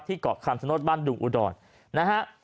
เกาะคำชโนธบ้านดุงอุดรนะฮะ